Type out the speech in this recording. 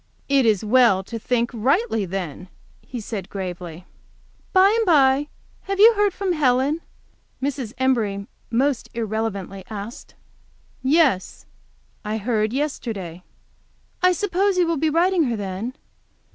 "It is well to think rightly, then," he said, gravely. "By the bye, have you heard from Helen?" Mrs. Embury most irreverently asked. "Yes, I, heard yesterday." "I suppose you will be writing her, then?